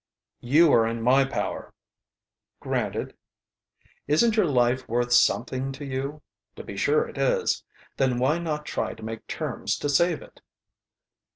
"You are in my power." "Granted." "Isn't your life worth something to you? To be sure it is. Then why not try to make terms to save it?"